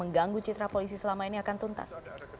mengganggu citra polisi selama ini akan tuntas